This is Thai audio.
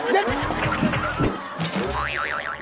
เฮ่ย